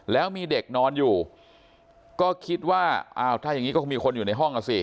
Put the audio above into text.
แล้วมีเด็กนอนอยู่ก็คิดว่าอ้าวถ้าอย่างนี้ก็คงมีคนอยู่ในห้องอ่ะสิ